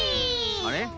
あれ？